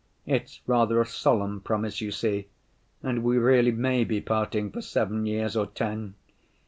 It's rather a solemn promise, you see. And we really may be parting for seven years or ten.